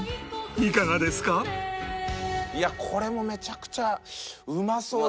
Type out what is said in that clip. いやこれもめちゃくちゃうまそうですよね。